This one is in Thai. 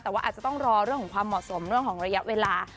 แต่ว่าอาจจะต้องรอเรื่องของความเหมาะสมเรื่องของระยะเวลา